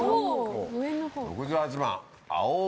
６８番。